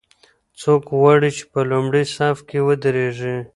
څوک غواړي چې په لومړي صف کې ودریږي؟